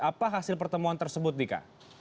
apa hasil pertemuan tersebut dika